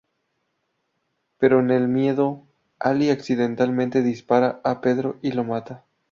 Pero en el miedo, Ally accidentalmente dispara a Pedro y lo mata.